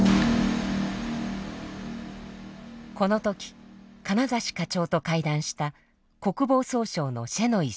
この時金指課長と会談した国防総省のシェノイ氏。